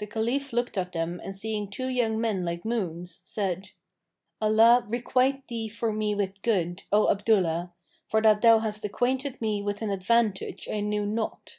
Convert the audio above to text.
The Caliph looked at them and seeing two young men like moons, said, "Allah requite thee for me with good, O Abdullah, for that thou hast acquainted me with an advantage[FN#546] I knew not!